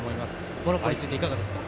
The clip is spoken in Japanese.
モロッコについていかがですか？